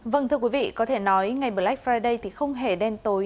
vâng thưa quý vị có thể nói ngày black friday thì không hề đen tối